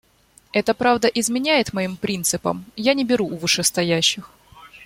Это правда изменяет моим принципам, я не беру у вышестоящих.